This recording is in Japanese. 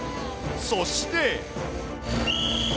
そして。